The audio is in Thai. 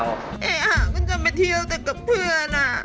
น้อยแหงวะก็จะไปเที่ยวตัวกับเพื่อนอะ